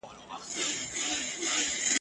واوری دا د زړه په غوږ، پیغام د پېړۍ څه وايي !.